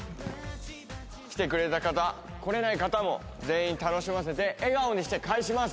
来てくれた方来れない方も全員楽しませて笑顔にして帰します！